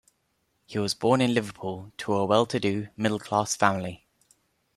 He was born in Liverpool to a well-to-do middle-class family.